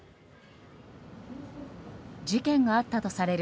事件があったとされる